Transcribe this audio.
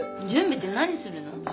準備って何するの？